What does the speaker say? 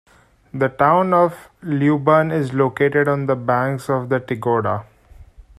The town of Lyuban is located on the banks of the Tigoda.